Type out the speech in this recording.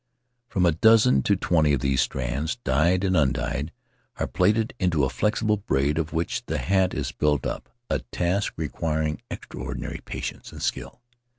From a dozen to twenty of these strands — dyed and undyed — are plaited into the flexible braid of which the hat is built up — a task requiring extraordinary patience and skill.